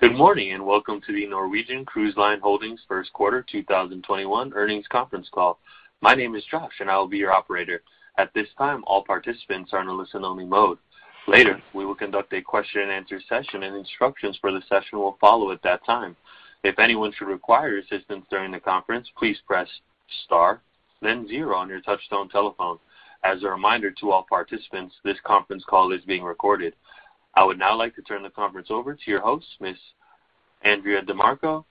Good morning, and welcome to the Norwegian Cruise Line Holdings First Quarter 2021 Earnings Conference Call. My name is Josh, and I will be your operator. At this time, all participants are in listen-only mode. Later, we will conduct a question-and-answer session, and instructions for the session will follow at that time. If anyone should require assistance during the conference, please press star, then zero on your touch-tone telephone. As a reminder to all participants, this conference call is being recorded. I would now like to turn the conference over to your host, Miss Andrea DeMarco,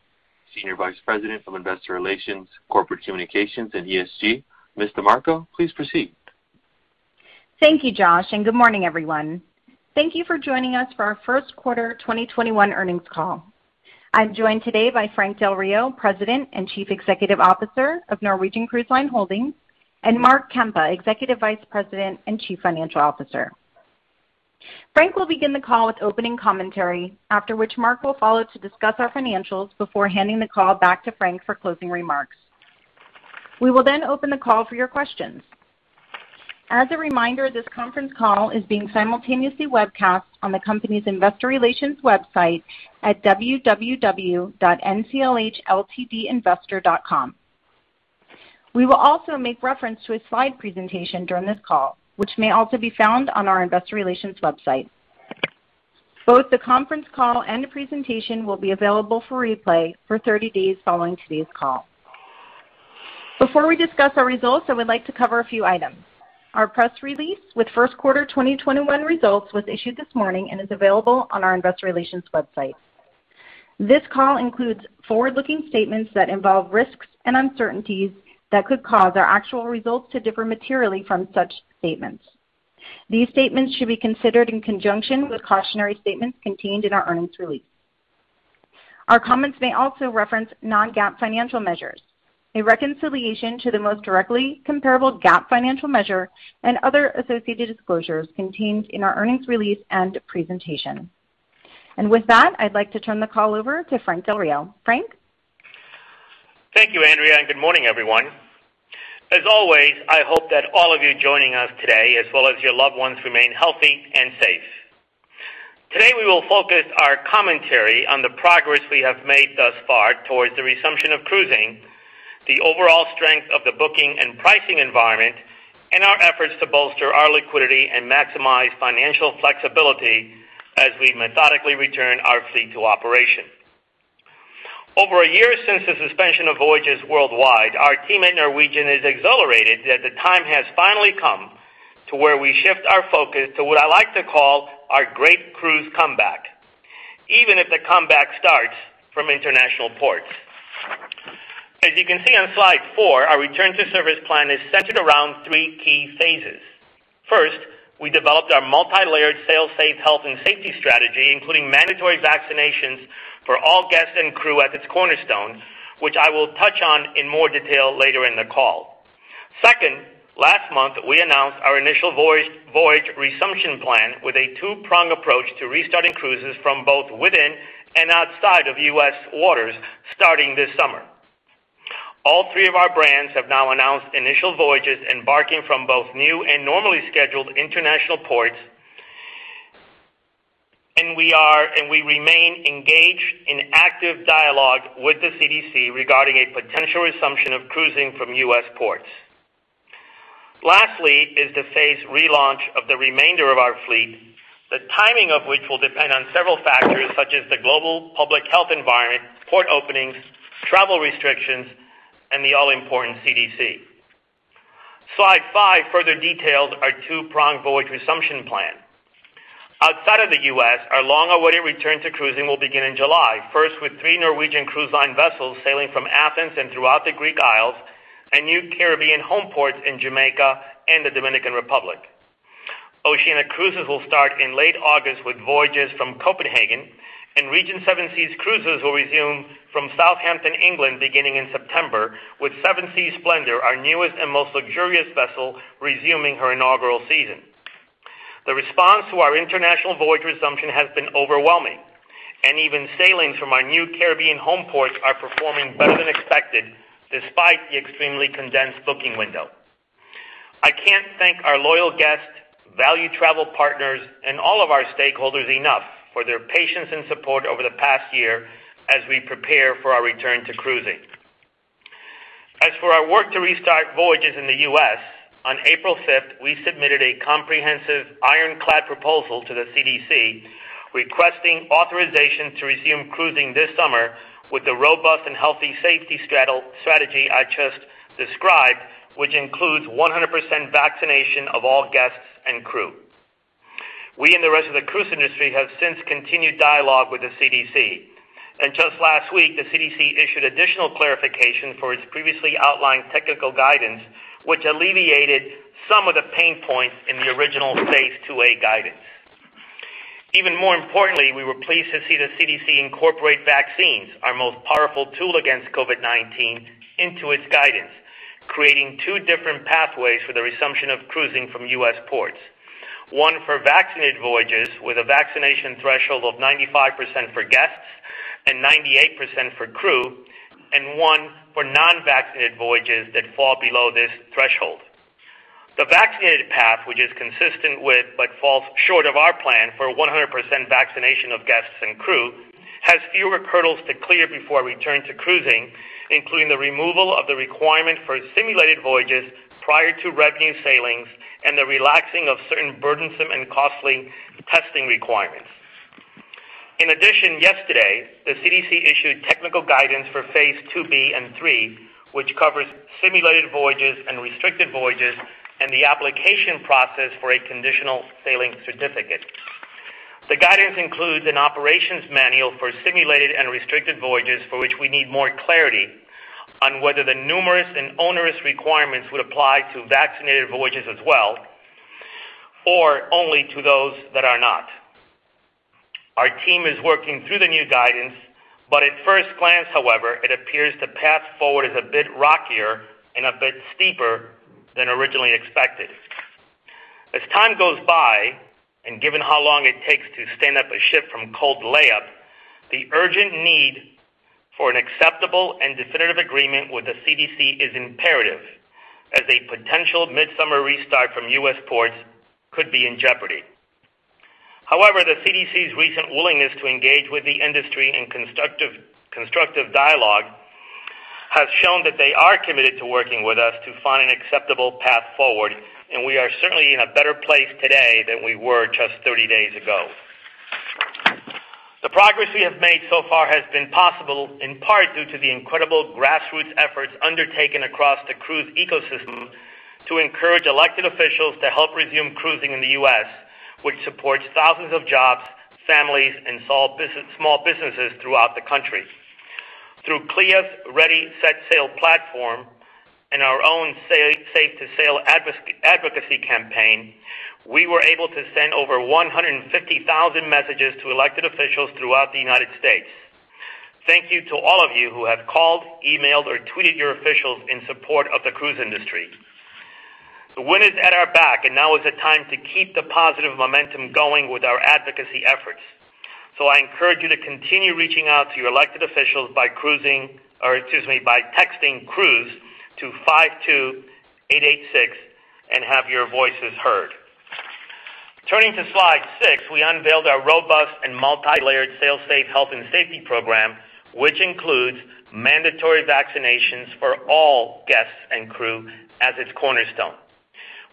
Senior Vice President of Investor Relations, Corporate Communications, and ESG. Ms. DeMarco, please proceed. Thank you, Josh, and good morning, everyone. Thank you for joining us for our first-quarter 2021 earnings call. I'm joined today by Frank Del Rio, President and Chief Executive Officer of Norwegian Cruise Line Holdings, and Mark Kempa, Executive Vice President and Chief Financial Officer. Frank will begin the call with opening commentary, after which Mark will follow to discuss our financials before handing the call back to Frank for closing remarks. We will then open the call for your questions. As a reminder, this conference call is being simultaneously webcast on the company's investor relations website at www.nclhltdinvestor.com. We will also make reference to a slide presentation during this call, which may also be found on our investor relations website. Both the conference call and the presentation will be available for replay for 30 days following today's call. Before we discuss our results, I would like to cover a few items. Our press release with first-quarter 2021 results was issued this morning and is available on our investor relations website. This call includes forward-looking statements that involve risks and uncertainties that could cause our actual results to differ materially from such statements. These statements should be considered in conjunction with cautionary statements contained in our earnings release. Our comments may also reference non-GAAP financial measures. A reconciliation to the most directly comparable GAAP financial measure and other associated disclosures contained in our earnings release and presentation. With that, I'd like to turn the call over to Frank Del Rio. Frank? Thank you, Andrea, and good morning, everyone. As always, I hope that all of you joining us today, as well as your loved ones, remain healthy and safe. Today, we will focus our commentary on the progress we have made thus far towards the resumption of cruising, the overall strength of the booking and pricing environment, and our efforts to bolster our liquidity and maximize financial flexibility as we methodically return our fleet to operation. Over a year since the suspension of voyages worldwide, our team at Norwegian is exhilarated that the time has finally come where we shift our focus to what I like to call our great cruise comeback, even if the comeback starts from international ports. As you can see on slide four, our return to service plan is centered around three key phases. We developed our multi-layered SailSAFE health and safety strategy, including mandatory vaccinations for all guests and crew at its cornerstone, which I will touch on in more detail later in the call. Last month, we announced our initial voyage resumption plan with a two-pronged approach to restarting cruises from both within and outside of U.S. waters starting this summer. All three of our brands have now announced initial voyages embarking from both new and normally scheduled international ports, and we remain engaged in active dialogue with the CDC regarding a potential resumption of cruising from U.S. ports. The phased relaunch of the remainder of our fleet, the timing of which will depend on several factors such as the global public health environment, port openings, travel restrictions, and the all-important CDC. Slide five further details our two-pronged voyage resumption plan. Outside of the U.S., our long-awaited return to cruising will begin in July, first with three Norwegian Cruise Line vessels sailing from Athens and throughout the Greek Isles and with new Caribbean home ports in Jamaica and the Dominican Republic. Oceania Cruises will start in late August with voyages from Copenhagen, and Regent Seven Seas Cruises will resume from Southampton, England, beginning in September, with Seven Seas Splendor, our newest and most luxurious vessel, resuming her inaugural season. The response to our international voyage resumption has been overwhelming, and even sailings from our new Caribbean homeports are performing better than expected despite the extremely condensed booking window. I can't thank our loyal guests, valued travel partners, and all of our stakeholders enough for their patience and support over the past year as we prepare for our return to cruising. As for our work to restart voyages in the U.S., on April 5th, we submitted a comprehensive ironclad proposal to the CDC requesting authorization to resume cruising this summer with the robust and healthy safety strategy I just described, which includes 100% vaccination of all guests and crew. We and the rest of the cruise industry have since continued dialogue with the CDC. Just last week, the CDC issued additional clarification for its previously outlined technical guidance, which alleviated some of the pain points in the original phase II guidance. Even more importantly, we were pleased to see the CDC incorporate vaccines, our most powerful tool against COVID-19, into its guidance, creating two different pathways for the resumption of cruising from U.S. ports. One for vaccinated voyages with a vaccination threshold of 95% for guests and 98% for crew, and one for non-vaccinated voyages that fall below these thresholds. The vaccinated path, which is consistent with but falls short of our plan for 100% vaccination of guests and crew, has fewer hurdles to clear before a return to cruising, including the removal of the requirement for simulated voyages prior to revenue sailings and the relaxing of certain burdensome and costly testing requirements. In addition, yesterday, the CDC issued technical guidance for phase II-B and III, which covers simulated voyages and restricted voyages, and the application process for a Conditional Sailing Certificate. The guidance includes an operations manual for simulated and restricted voyages for which we need more clarity on whether the numerous and onerous requirements would apply to vaccinated voyages as well or only to those that are not. Our team is working through the new guidance, but at first glance, however, it appears the path forward is a bit rockier and a bit steeper than originally expected. As time goes by, and given how long it takes to stand up a ship from cold layup, the urgent need for an acceptable and definitive agreement with the CDC is imperative, as a potential mid-summer restart from U.S. ports could be in jeopardy. However, the CDC's recent willingness to engage with the industry in constructive dialogue has shown that they are committed to working with us to find an acceptable path forward, and we are certainly in a better place today than we were just 30 days ago. The progress we have made so far has been possible in part due to the incredible grassroots efforts undertaken across the cruise ecosystem to encourage elected officials to help resume cruising in the U.S., which supports thousands of jobs, families, and small businesses throughout the country. Through CLIA's Ready, Set, Sail platform and our own SailSAFE to Sail advocacy campaign, we were able to send over 150,000 messages to elected officials throughout the United States. Thank you to all of you who have called, emailed, or tweeted your officials in support of the cruise industry. The wind is at our back, and now is the time to keep the positive momentum going with our advocacy efforts. I encourage you to continue reaching out to your elected officials by texting Cruise to 52886 and have your voices heard. Turning to slide six, we unveiled our robust and multilayered SailSAFE health and safety program, which includes mandatory vaccinations for all guests and crew as its cornerstone.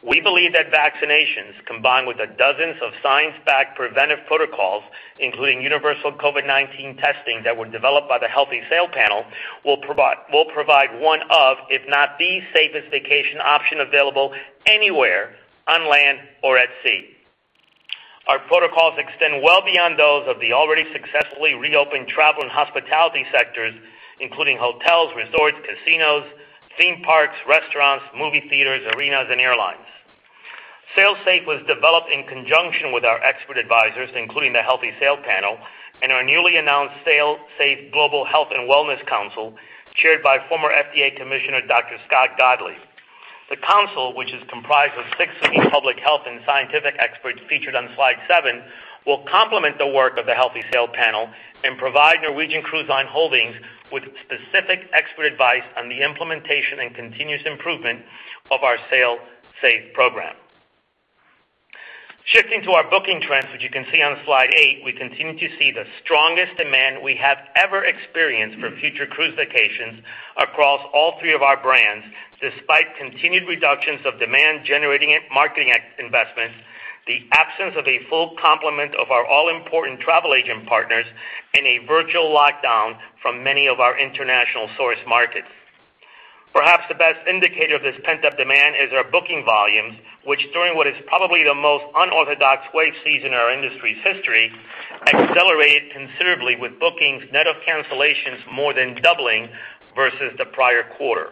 We believe that vaccinations, combined with the dozens of science-backed preventive protocols, including universal COVID-19 testing that was developed by the Healthy Sail Panel, will provide one of, if not the, safest vacation options available anywhere on land or at sea. Our protocols extend well beyond those of the already successfully reopened travel and hospitality sectors, including hotels, resorts, casinos, theme parks, restaurants, movie theaters, arenas, and airlines. SailSAFE was developed in conjunction with our expert advisors, including the Healthy Sail Panel and our newly announced SailSAFE Global Health and Wellness Council, chaired by former FDA commissioner Dr. Scott Gottlieb. The council, which is comprised of six public health and scientific experts featured on slide seven, will complement the work of the Healthy Sail Panel and provide Norwegian Cruise Line Holdings with specific expert advice on the implementation and continuous improvement of our SailSAFE program. Shifting to our booking trends, which you can see on slide eight, we continue to see the strongest demand we have ever experienced for future cruise vacations across all three of our brands, despite continued reductions of demand-generating marketing investments, the absence of a full complement of our all-important travel agent partners, and a virtual lockdown from many of our international source markets. Perhaps the best indicator of this pent-up demand is our booking volumes, which, during what is probably the most unorthodox wave season in our industry's history, accelerated considerably, with bookings net of cancellations more than doubling versus the prior quarter.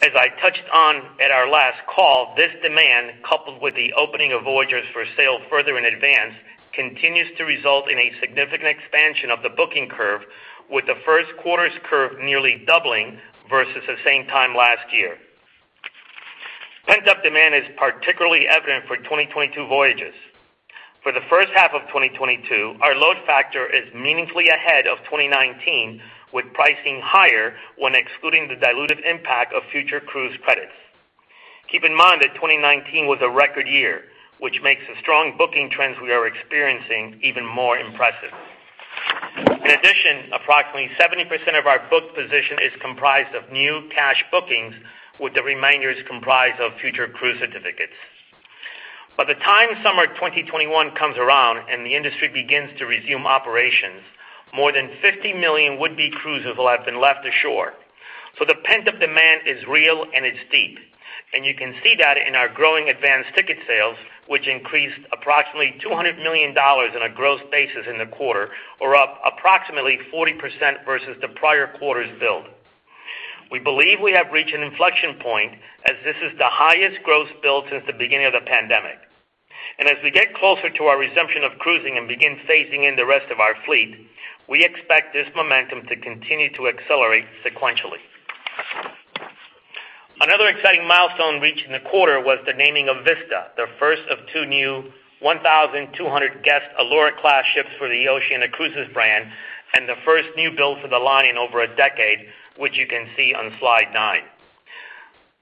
As I touched on at our last call, this demand, coupled with the opening of voyages for sale further in advance, continues to result in a significant expansion of the booking curve, with the first quarter's curve nearly doubling versus the same time last year. Pent-up demand is particularly evident for 2022 voyages. For the first half of 2022, our load factor is meaningfully ahead of 2019, with pricing higher when excluding the dilutive impact of future cruise credits. Keep in mind that 2019 was a record year, which makes the strong booking trends we are experiencing even more impressive. In addition, approximately 70% of our booked position is comprised of new cash bookings, with the remainders comprised of future cruise certificates. By the time summer 2021 comes around and the industry begins to resume operations, more than 50 million would-be cruisers will have been left ashore. The pent-up demand is real, and it's deep. You can see that in our growing advanced ticket sales, which increased approximately $200 million on a gross basis in the quarter, or up approximately 40% versus the prior quarter's build. We believe we have reached an inflection point, as this is the highest gross build since the beginning of the pandemic. As we get closer to our resumption of cruising and begin phasing in the rest of our fleet, we expect this momentum to continue to accelerate sequentially. Another exciting milestone reached in the quarter was the naming of Vista, the first of two new 1,200-guest Allura Class ships for the Oceania Cruises brand. The first new build for the line in over a decade, which you can see on slide nine.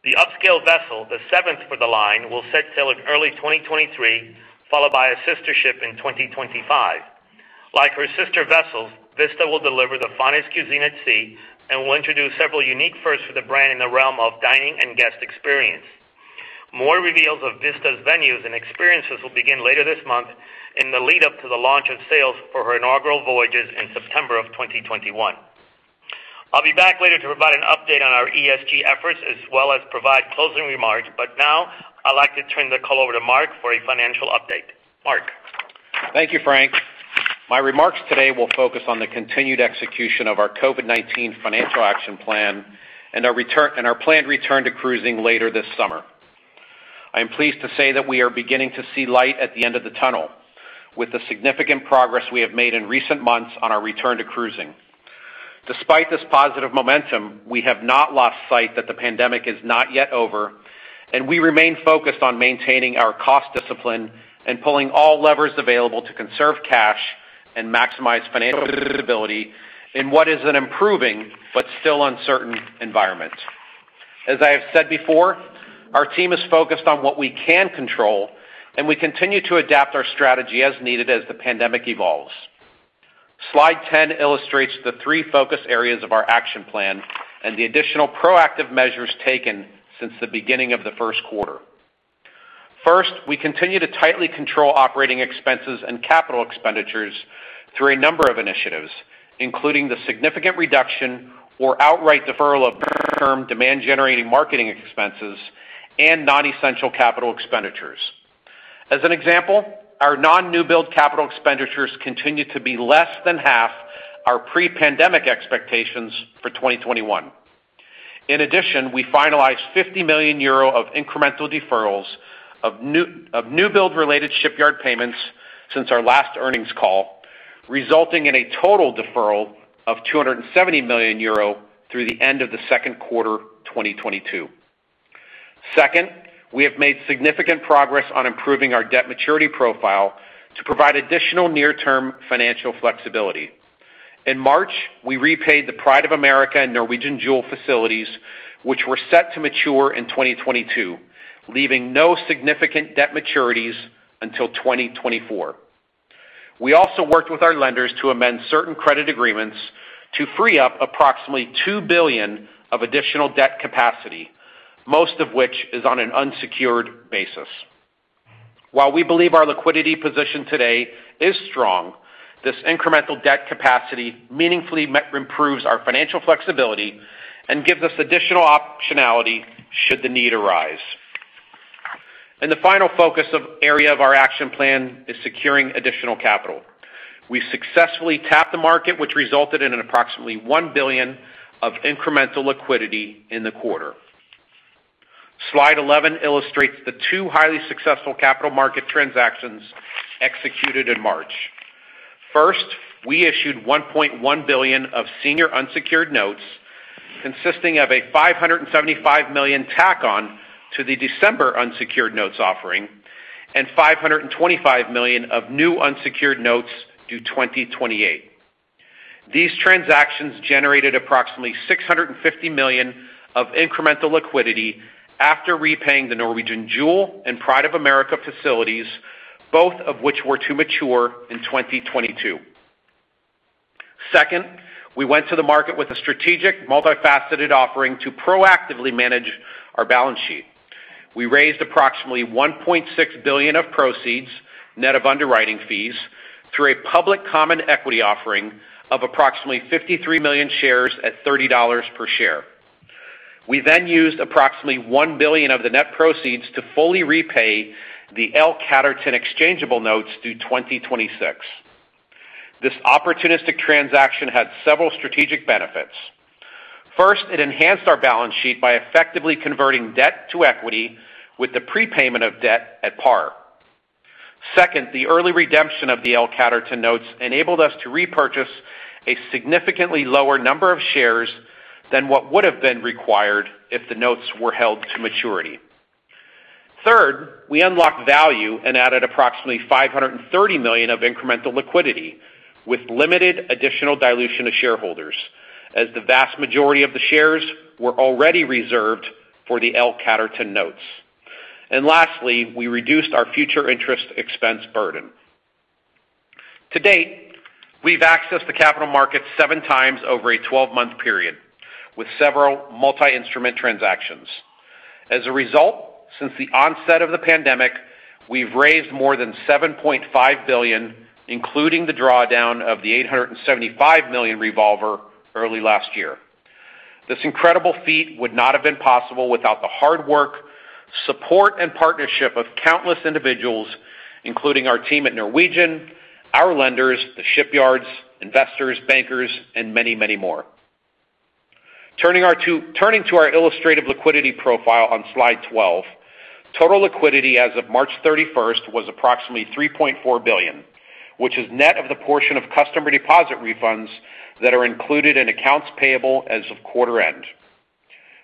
The upscale vessel, the seventh for the line, will set sail in early 2023, followed by a sister ship in 2025. Like her sister vessels, Vista will deliver the finest cuisine at sea and will introduce several unique firsts for the brand in the realm of dining and guest experience. More reveals of Vista's venues and experiences will begin later this month in the lead-up to the launch of sales for her inaugural voyages in September of 2021. I'll be back later to provide an update on our ESG efforts as well as provide closing remarks. Now I'd like to turn the call over to Mark for a financial update. Mark? Thank you, Frank. My remarks today will focus on the continued execution of our COVID-19 financial action plan and our planned return to cruising later this summer. I am pleased to say that we are beginning to see light at the end of the tunnel with the significant progress we have made in recent months on our return to cruising. Despite this positive momentum, we have not lost sight that the pandemic is not yet over, and we remain focused on maintaining our cost discipline and pulling all levers available to conserve cash and maximize financial stability in what is an improving but still uncertain environment. As I have said before, our team is focused on what we can control, and we continue to adapt our strategy as needed as the pandemic evolves. Slide 10 illustrates the three focus areas of our action plan and the additional proactive measures taken since the beginning of the first quarter. First, we continue to tightly control operating expenses and capital expenditures through a number of initiatives, including the significant reduction or outright deferral of near-term demand-generating marketing expenses and non-essential capital expenditures. As an example, our non-new-build capital expenditures continue to be less than half our pre-pandemic expectations for 2021. In addition, we finalized 50 million euro of incremental deferrals of new-build-related shipyard payments since our last earnings call, resulting in a total deferral of 270 million euro through the end of the second quarter 2022. Second, we have made significant progress on improving our debt maturity profile to provide additional near-term financial flexibility. In March, we repaid the Pride of America and Norwegian Jewel facilities, which were set to mature in 2022, leaving no significant debt maturities until 2024. We also worked with our lenders to amend certain credit agreements to free up approximately $2 billion of additional debt capacity, most of which is on an unsecured basis. While we believe our liquidity position today is strong, this incremental debt capacity meaningfully improves our financial flexibility and gives us additional optionality should the need arise. The final focus area of our action plan is securing additional capital. We successfully tapped the market, which resulted in approximately $1 billion of incremental liquidity in the quarter. Slide 11 illustrates the two highly successful capital market transactions executed in March. We issued $1.1 billion of senior unsecured notes, consisting of a $575 million tack-on to the December unsecured notes offering and $525 million of new unsecured notes due 2028. These transactions generated approximately $650 million of incremental liquidity after repaying the Norwegian Jewel and Pride of America facilities, both of which were to mature in 2022. We went to the market with a strategic multifaceted offering to proactively manage our balance sheet. We raised approximately $1.6 billion of proceeds, net of underwriting fees, through a public common equity offering of approximately 53 million shares at $30 per share. We used approximately $1 billion of the net proceeds to fully repay the L Catterton exchangeable notes due 2026. This opportunistic transaction had several strategic benefits. It enhanced our balance sheet by effectively converting debt to equity with the prepayment of debt at par. Second, the early redemption of the L Catterton notes enabled us to repurchase a significantly lower number of shares than what would have been required if the notes were held to maturity. Third, we unlocked value and added approximately $530 million of incremental liquidity with limited additional dilution of shareholders, as the vast majority of the shares were already reserved for the L. Catterton notes. Lastly, we reduced our future interest expense burden. To date, we’ve accessed the capital market seven times over a 12-month period with several multi-instrument transactions. As a result, since the onset of the pandemic, we’ve raised more than $7.5 billion, including the drawdown of the $875 million revolver early last year. This incredible feat would not have been possible without the hard work, support, and partnership of countless individuals, including our team at Norwegian, our lenders, the shipyards, investors, bankers, and many more. Turning to our illustrative liquidity profile on slide 12, total liquidity as of March 31st was approximately $3.4 billion, which is net of the portion of customer deposit refunds that are included in accounts payable as of quarter end.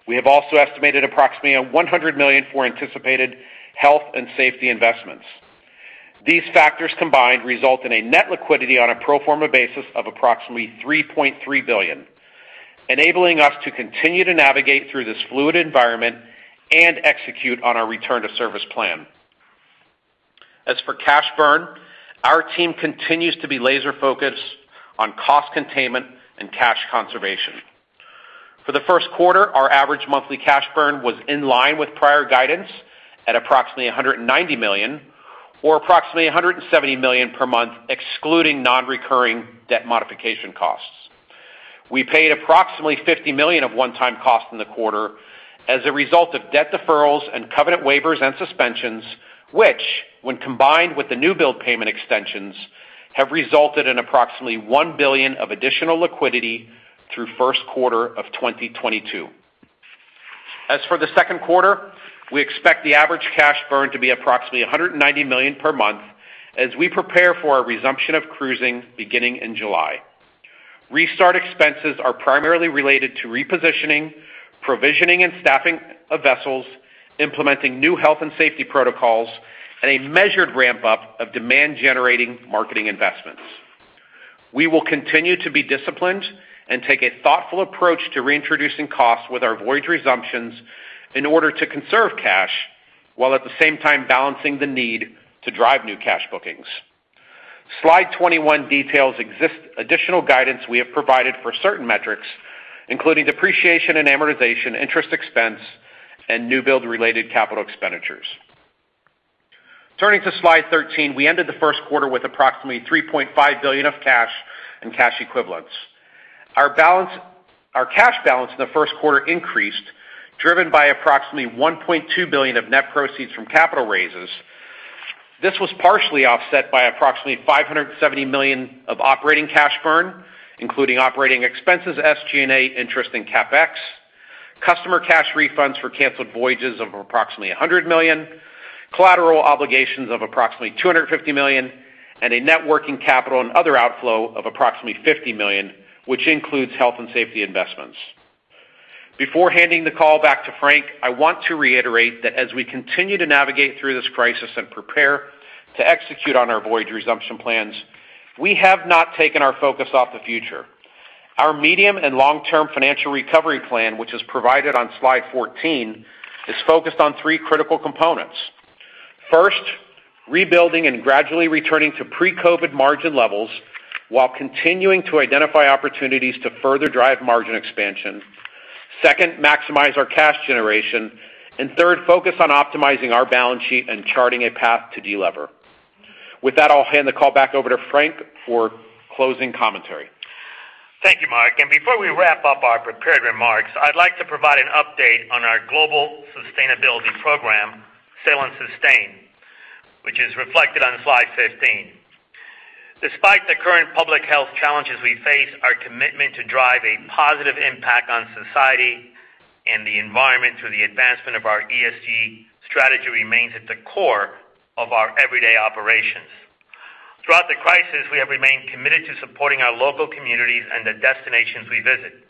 We have also estimated approximately $100 million for anticipated health and safety investments. These factors combined result in a net liquidity on a pro forma basis of approximately $3.3 billion, enabling us to continue to navigate through this fluid environment and execute on our return to service plan. As for cash burn, our team continues to be laser-focused on cost containment and cash conservation. For the first quarter, our average monthly cash burn was in line with prior guidance at approximately $190 million or approximately $170 million per month, excluding non-recurring debt modification costs. We paid approximately $50 million of one-time costs in the quarter as a result of debt deferrals and covenant waivers and suspensions, which, when combined with the new build payment extensions, have resulted in approximately $1 billion of additional liquidity through the first quarter of 2022. As for the second quarter, we expect the average cash burn to be approximately $190 million per month as we prepare for a resumption of cruising beginning in July. Restart expenses are primarily related to the repositioning, provisioning, and staffing of vessels, implementing new health and safety protocols, and a measured ramp-up of demand-generating marketing investments. We will continue to be disciplined and take a thoughtful approach to reintroducing costs with our voyage resumptions in order to conserve cash, while at the same time balancing the need to drive new cash bookings. Slide 21 details additional guidance we have provided for certain metrics, including depreciation and amortization, interest expense, and new build-related capital expenditures. Turning to slide 13, we ended the first quarter with approximately $3.5 billion of cash and cash equivalents. Our cash balance in the first quarter increased, driven by approximately $1.2 billion of net proceeds from capital raises. This was partially offset by approximately $570 million of operating cash burn, including operating expenses, SG&A, interest, and CapEx, customer cash refunds for canceled voyages of approximately $100 million, collateral obligations of approximately $250 million, and a net working capital and other outflow of approximately $50 million, which includes health and safety investments. Before handing the call back to Frank, I want to reiterate that as we continue to navigate through this crisis and prepare to execute on our voyage resumption plans, we have not taken our focus off the future. Our medium and long-term financial recovery plan, which is provided on slide 14, is focused on three critical components. First, rebuilding and gradually returning to pre-COVID margin levels while continuing to identify opportunities to further drive margin expansion. Second, maximize our cash generation. Third, focus on optimizing our balance sheet and charting a path to deliver. With that, I'll hand the call back over to Frank for closing commentary. Thank you, Mark. Before we wrap up our prepared remarks, I'd like to provide an update on our global sustainability program, Sail & Sustain, which is reflected on slide 15. Despite the current public health challenges we face, our commitment to drive a positive impact on society and the environment through the advancement of our ESG strategy remains at the core of our everyday operations. Throughout the crisis, we have remained committed to supporting our local communities and the destinations we visit.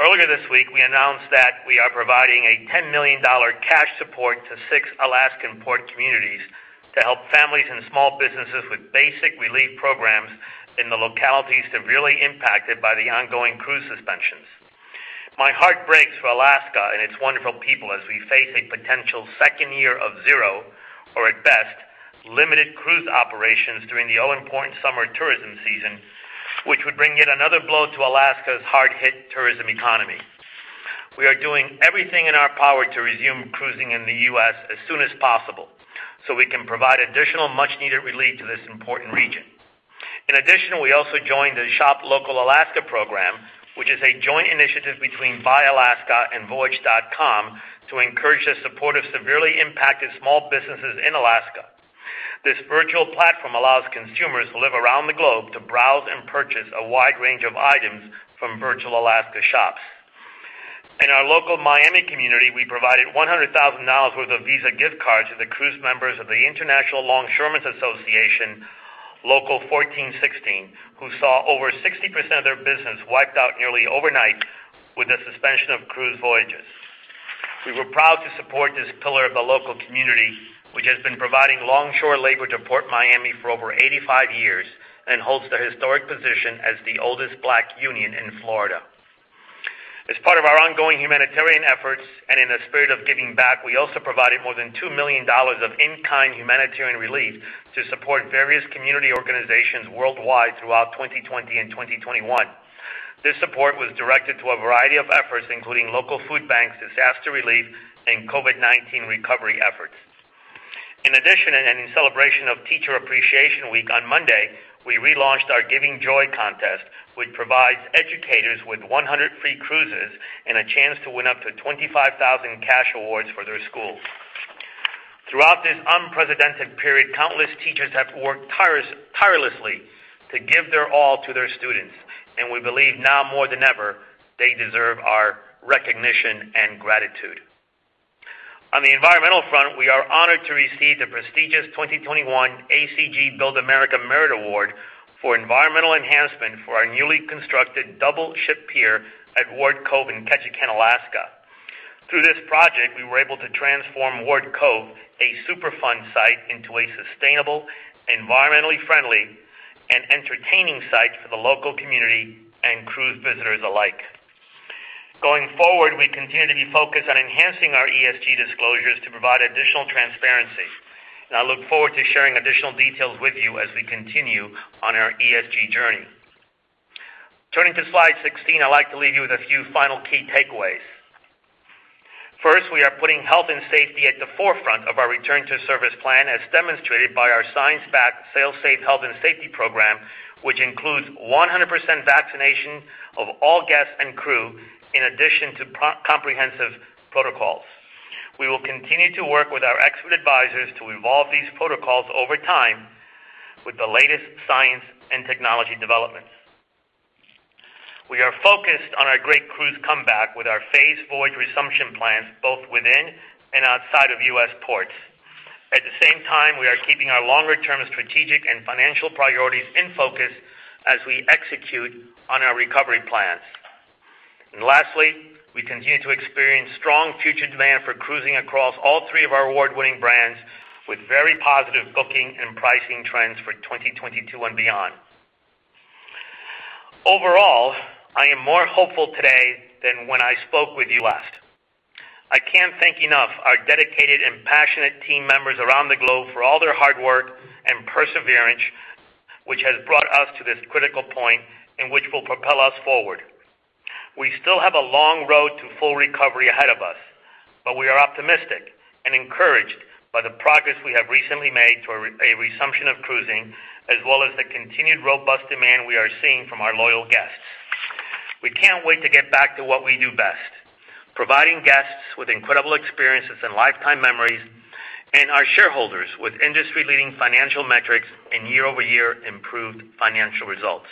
Earlier this week, we announced that we are providing a $10 million cash support to six Alaskan port communities to help families and small businesses with basic relief programs in the localities severely impacted by the ongoing cruise suspensions. My heart breaks for Alaska and its wonderful people as we face a potential second year of zero, or at best, limited cruise operations during the all-important summer tourism season, which would bring yet another blow to Alaska's hard-hit tourism economy. We are doing everything in our power to resume cruising in the U.S. as soon as possible so we can provide additional much-needed relief to this important region. We also joined the Shop Local Alaska program, which is a joint initiative between BuyAlaska and Voyij.com to encourage the support of severely impacted small businesses in Alaska. This virtual platform allows consumers who live around the globe to browse and purchase a wide range of items from virtual Alaska shops. In our local Miami community, we provided $100,000 worth of Visa gift cards to the cruise members of the International Longshoremen's Association, Local 1416, who saw over 60% of their business wiped out nearly overnight with the suspension of cruise voyages. We were proud to support this pillar of the local community, which has been providing longshore labor to Port Miami for over 85 years and holds the historic position as the oldest Black union in Florida. As part of our ongoing humanitarian efforts and in the spirit of giving back, we also provided more than $2 million of in-kind humanitarian relief to support various community organizations worldwide throughout 2020 and 2021. This support was directed to a variety of efforts, including local food banks, disaster relief, and COVID-19 recovery efforts. In addition, in celebration of Teacher Appreciation Week on Monday, we relaunched our Giving Joy contest, which provides educators with 100 free cruises and a chance to win up to 25,000 cash awards for their schools. Throughout this unprecedented period, countless teachers have worked tirelessly to give their all to their students, and we believe now more than ever, they deserve our recognition and gratitude. On the environmental front, we are honored to receive the prestigious 2021 AGC Build America Merit Award for environmental enhancement for our newly constructed double-ship pier at Ward Cove in Ketchikan, Alaska. Through this project, we were able to transform Ward Cove, a Superfund site, into a sustainable, environmentally friendly, and entertaining site for the local community and cruise visitors alike. Going forward, we continue to be focused on enhancing our ESG disclosures to provide additional transparency, and I look forward to sharing additional details with you as we continue on our ESG journey. Turning to slide 16, I'd like to leave you with a few final key takeaways. First, we are putting health and safety at the forefront of our return to service plan, as demonstrated by our science-backed SailSAFE Health and Safety Program, which includes 100% vaccination of all guests and crew, in addition to comprehensive protocols. We will continue to work with our expert advisors to evolve these protocols over time with the latest science and technology developments. We are focused on our great cruise comeback with our phased voyage resumption plans both within and outside of U.S. ports. At the same time, we are keeping our longer-term strategic and financial priorities in focus as we execute on our recovery plans. Lastly, we continue to experience strong future demand for cruising across all three of our award-winning brands, with very positive booking and pricing trends for 2022 and beyond. Overall, I am more hopeful today than when I spoke with you last. I can't thank enough our dedicated and passionate team members around the globe for all their hard work and perseverance, which has brought us to this critical point and which will propel us forward. We still have a long road to full recovery ahead of us, but we are optimistic and encouraged by the progress we have recently made to a resumption of cruising, as well as the continued robust demand we are seeing from our loyal guests. We can't wait to get back to what we do best: providing guests with incredible experiences and lifetime memories and our shareholders with industry-leading financial metrics and year-over-year improved financial results.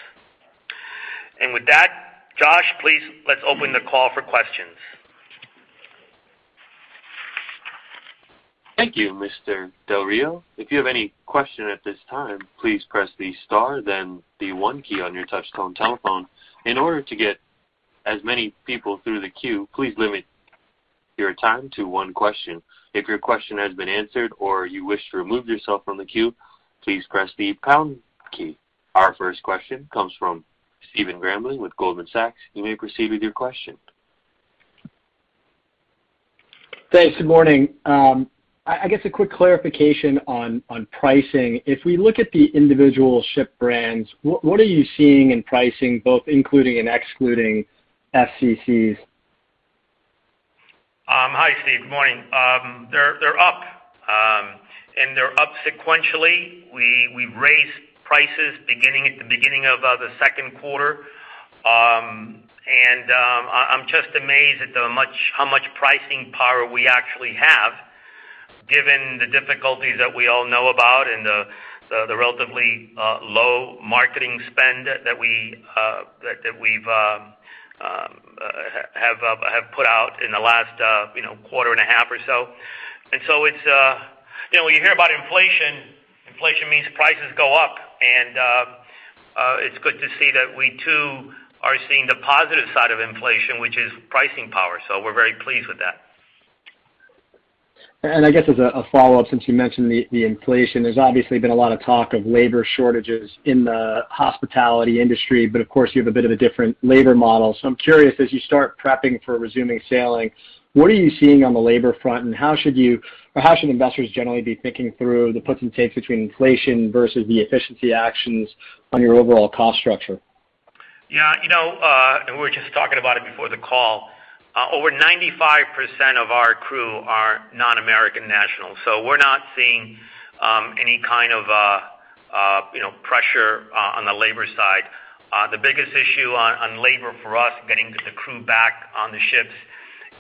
With that, Josh, please, let's open the call for questions. Thank you, Mr. Del Rio. If you have any question at this time, please press the star, then one on your touch-tone telephone. In order to get as many people through the queue, please limit your time to one question. If your question has been answered or you wish to remove yourself from the queue, please press the pound key. Our first question comes from Stephen Grambling with Goldman Sachs. You may proceed with your question. Thanks. Good morning. I guess a quick clarification on pricing. If we look at the individual ship brands, what are you seeing in pricing, both including and excluding FCCs? Hi, Steve. Good morning. They're up, they're up sequentially. We raised prices at the beginning of the second quarter. I'm just amazed at how much pricing power we actually have given the difficulties that we all know about and the relatively low marketing spend that we have put out in the last quarter and a half or so. When you hear about inflation, it means prices go up, and it's good to see that we, too, are seeing the positive side of inflation, which is pricing power. We're very pleased with that. I guess as a follow-up, since you mentioned the inflation, there's obviously been a lot of talk of labor shortages in the hospitality industry, but of course, you have a bit of a different labor model. I'm curious, as you start prepping for resuming sailing, what are you seeing on the labor front, and how should investors generally be thinking through the pros and cons between inflation versus the efficiency actions on your overall cost structure? Yeah. We were just talking about it before the call. Over 95% of our crew are non-American nationals, so we're not seeing any kind of pressure on the labor side. The biggest issue on labor for us, getting the crew back on the ships,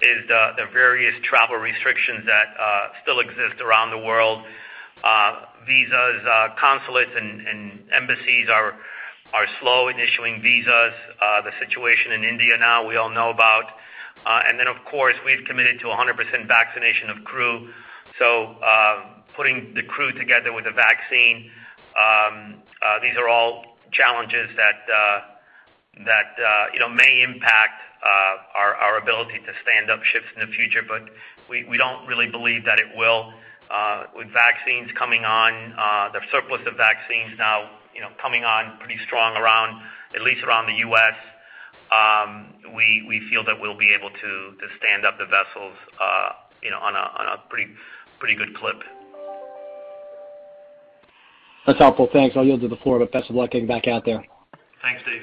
is the various travel restrictions that still exist around the world. Visas, consulates, and embassies are slow in issuing visas. The situation in India now, we all know about it. Of course, we've committed to 100% vaccination of crew. Putting the crew together with the vaccine, these are all challenges that may impact our ability to stand up ships in the future, but we don't really believe that they will. With vaccines coming on, the surplus of vaccines now coming on pretty strong, at least around the U.S., we feel that we'll be able to stand up the vessels at a pretty good clip. That's helpful. Thanks. I'll yield to the floor. Best of luck getting back out there. Thanks, Steve.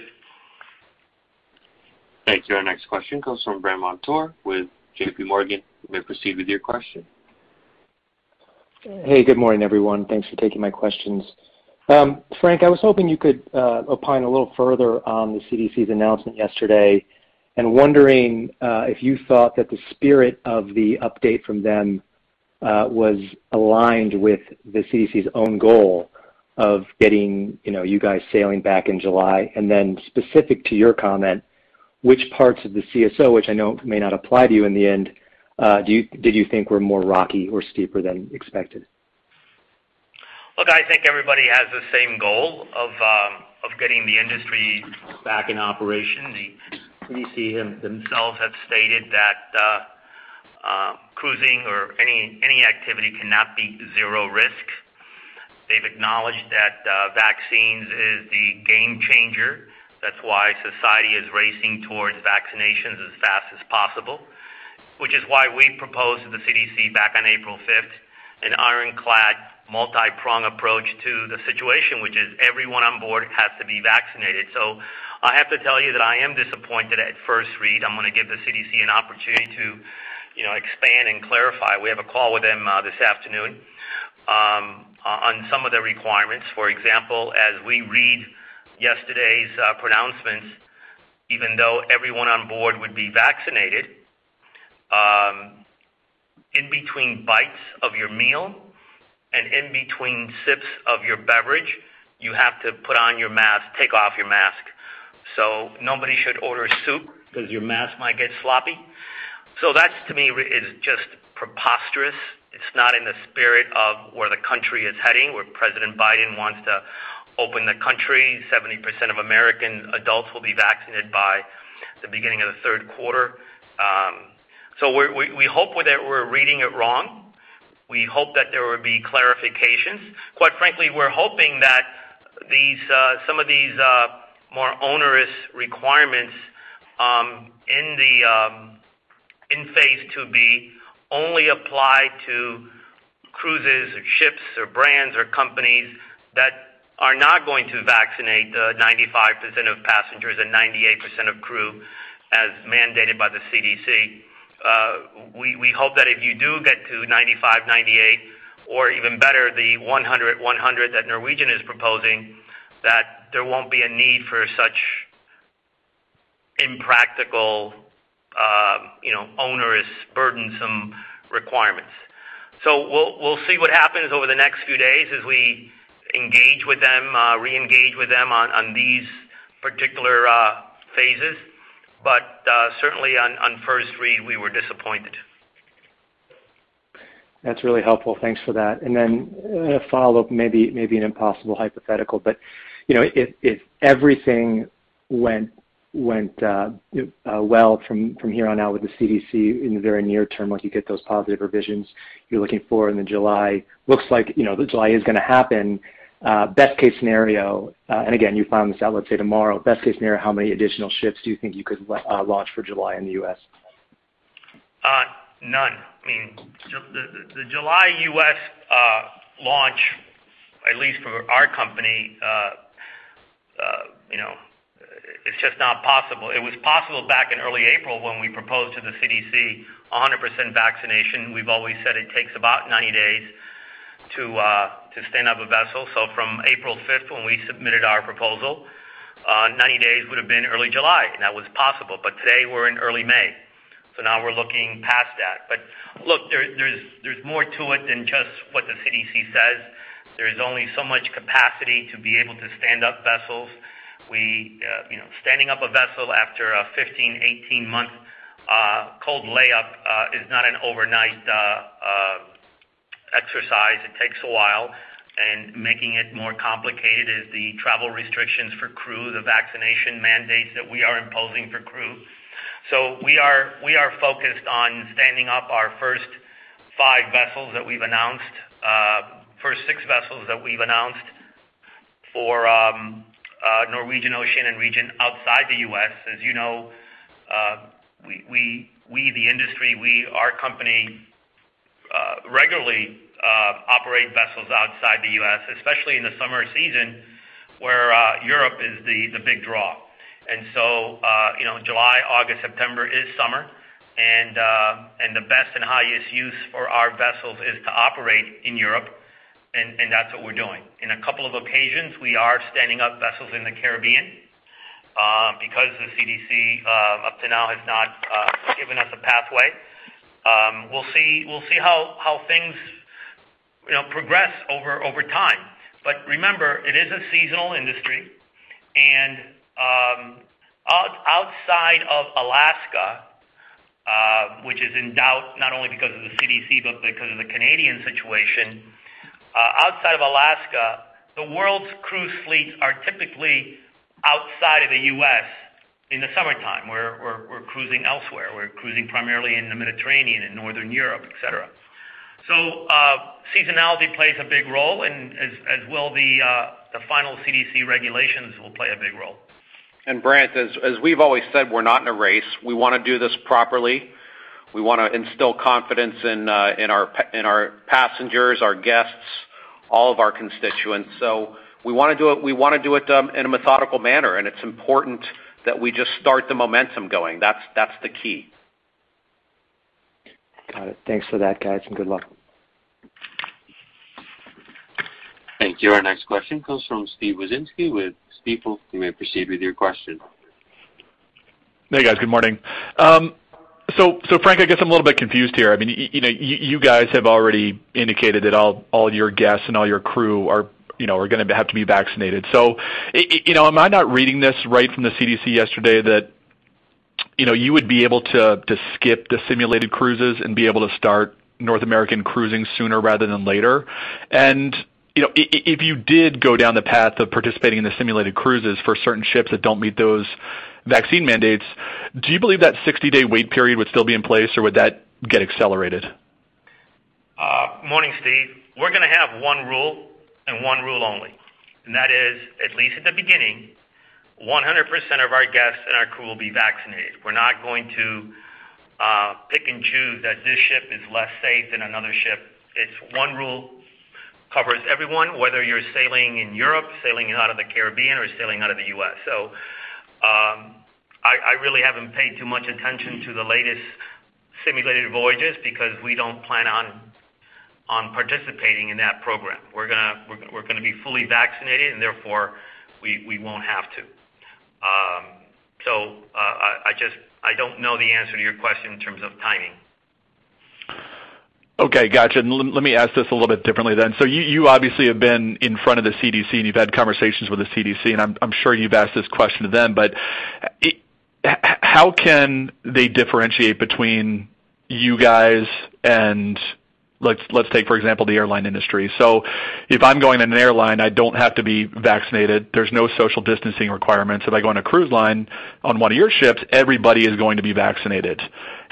Thank you. Our next question comes from Brandt Montour with JPMorgan. You may proceed with your question. Hey, good morning, everyone. Thanks for taking my questions. Frank, I was hoping you could opine a little further on the CDC's announcement yesterday and wondering if you thought that the spirit of the update from them was aligned with the CDC's own goal of getting you guys sailing back in July. Specific to your comment Which parts of the CSO, which I know may not apply to you in the end, did you think were rockier or steeper than expected? I think everybody has the same goal of getting the industry back in operation. The CDC themselves have stated that cruising or any activity cannot be zero risk. They've acknowledged that vaccines are the game changer. Society is racing towards vaccinations as fast as possible, we proposed to the CDC back on April 5th an ironclad, multipronged approach to the situation, which is everyone on board has to be vaccinated. I have to tell you that I am disappointed at first reading. I'm going to give the CDC an opportunity to expand and clarify. We have a call with them this afternoon on some of the requirements. For example, as we read yesterday's pronouncements, even though everyone on board would be vaccinated, in between bites of your meal and in between sips of your beverage, you have to put on your mask and take off your mask. Nobody should order soup because your mask might get sloppy. That, to me, is just preposterous. It's not in the spirit of where the country is heading, where President Biden wants to open the country. 70% of American adults will be vaccinated by the beginning of the third quarter. We hope we're reading it wrong. We hope that there will be clarifications. Quite frankly, we're hoping that some of these more onerous requirements in phase II-B only apply to cruises or ships or brands or companies that are not going to vaccinate 95% of passengers and 98% of crew as mandated by the CDC. We hope that if you do get to 95/98, or even better, the 100/100 that Norwegian is proposing, that there won't be a need for such impractical, onerous, burdensome requirements. We'll see what happens over the next few days as we engage with them and re-engage with them on these particular phases. Certainly on first read, we were disappointed. That's really helpful. Thanks for that. Then a follow-up, maybe an impossible hypothetical, but if everything goes well from here on out with the CDC in the very near term, once you get those positive revisions you're looking for in July. Looks like July is going to happen. Best-case scenario, again, you found this out, let's say, tomorrow. best case scenario, how many additional ships do you think you could launch for July in the U.S.? None. The July U.S. launch, at least for our company, is just not possible. It was possible back in early April when we proposed 100% vaccination to the CDC. We've always said it takes about 90 days to stand up a vessel. From April 5, when we submitted our proposal, 90 days would have been early July, and that was possible. Today we're in early May. Now we're looking past that. Look, there's more to it than just what the CDC says. There's only so much capacity to be able to stand up vessels. Standing up a vessel after a 15- or 18-month cold layup is not an overnight exercise. It takes a while. Making it more complicated are the travel restrictions for crew and the vaccination mandates that we are imposing for crew. We are focused on standing up our first five vessels that we've announced and the first six vessels that we've announced for Norwegian, Oceania, and Regent outside the U.S. As you know, we, the industry, our company, regularly operate vessels outside the U.S., especially in the summer season, when Europe is the big draw. July, August, and September are summer, and the best and highest use for our vessels is to operate in Europe, and that's what we're doing. On a couple of occasions, we are standing up vessels in the Caribbean because the CDC up to now has not given us a pathway. We'll see how things progress over time. Remember, it is a seasonal industry, and outside of Alaska, which is in doubt not only because of the CDC, but because of the Canadian situation. Outside of Alaska, the world's cruise fleets are typically outside of the U.S. in the summertime. We're cruising elsewhere. We're cruising primarily in the Mediterranean and Northern Europe, et cetera. Seasonality plays a big role, and the final CDC regulations will play a big role. Brandt, as we've always said, we're not in a race. We want to do this properly. We want to instill confidence in our passengers, our guests, and all of our constituents. We want to do it in a methodical manner, and it's important that we just start the momentum going. That's the key. Got it. Thanks for that, guys, and good luck. Thank you. Our next question comes from Steven Wieczynski with Stifel. You may proceed with your question. Hey, guys. Good morning. Frank, I guess I'm a little bit confused here. You guys have already indicated that all your guests and all your crew are going to have to be vaccinated. Am I not reading this right from the CDC yesterday that you would be able to skip the simulated cruises and be able to start North American cruising sooner rather than later? If you did go down the path of participating in the simulated cruises for certain ships that don't meet those vaccine mandates, do you believe that 60-day wait period would still be in place, or would that get accelerated? Morning, Steven. We're going to have one rule and one rule only, and that is, at least at the beginning, 100% of our guests and our crew will be vaccinated. We're not going to pick and choose that this ship is less safe than another ship. It's one rule that covers everyone, whether you're sailing in Europe, sailing out of the Caribbean, or sailing out of the U.S. I really haven't paid too much attention to the latest simulated voyages because we don't plan on participating in that program. We're going to be fully vaccinated, and therefore, we won't have to. I don't know the answer to your question in terms of timing. Okay, got you. Let me ask this a little bit differently then. You obviously have been in front of the CDC, and you've had conversations with the CDC, and I'm sure you've asked this question to them. How can they differentiate between you guys and let's take, for example, the airline industry. If I'm going on an airline, I don't have to be vaccinated. There are no social distancing requirements. If I go on a cruise line on one of your ships, everyone is going to be vaccinated.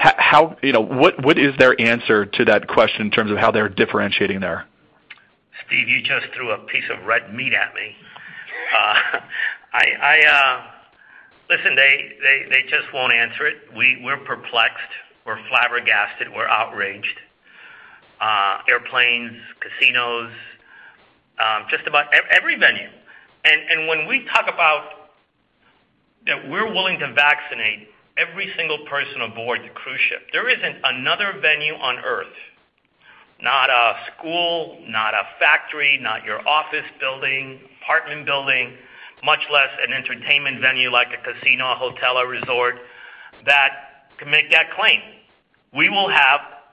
What is their answer to that question in terms of how they're differentiating there? Steven, you just threw a piece of red meat at me. Listen, they just won't answer it. We're perplexed. We're flabbergasted. We're outraged. Airplanes, casinos, just about every venue. When we talk about how we're willing to vaccinate every single person aboard the cruise ship, there isn't another venue on Earth, not a school, not a factory, not your office building, or apartment building, much less an entertainment venue like a casino, a hotel, or a resort, that can make that claim.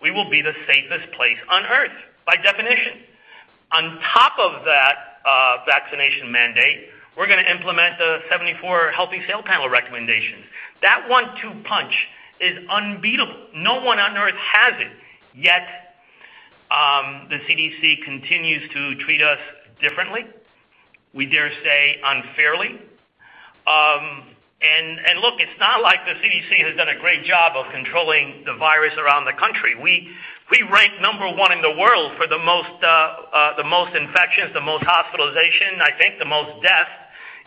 We will be the safest place on Earth, by definition. On top of that vaccination mandate, we're going to implement the 74 Healthy Sail Panel recommendations. That one-two punch is unbeatable. No one on Earth has it, yet the CDC continues to treat us differently, we dare say unfairly. Look, it's not like the CDC has done a great job of controlling the virus around the country. We rank number one in the world for the most infections, the most hospitalizations, and, I think, the most deaths.